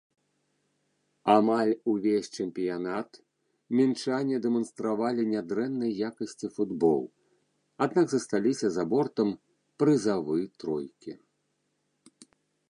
Амаль увесь чэмпіянат мінчане дэманстравалі нядрэннай якасці футбол, аднак засталіся за бортам прызавы тройкі.